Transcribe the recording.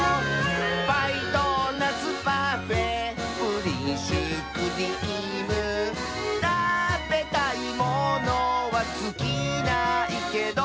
「パイドーナツパフェプリンシュークリーム」「たべたいものはつきないけど」